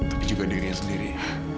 tapi juga dirinya sendiri